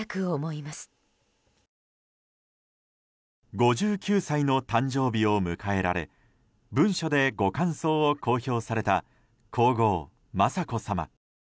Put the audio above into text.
５９歳の誕生日を迎えられ文書でご感想を公表された皇后・雅子さま。